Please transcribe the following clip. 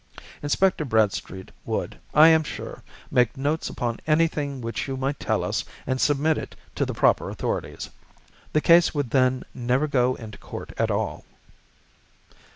Inspector Bradstreet would, I am sure, make notes upon anything which you might tell us and submit it to the proper authorities. The case would then never go into court at all."